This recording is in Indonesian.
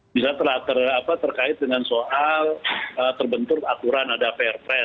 misalnya terkait dengan soal terbentur aturan ada prpres